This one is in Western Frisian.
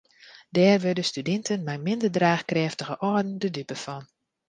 Dêr wurde studinten mei minder draachkrêftige âlden de dupe fan.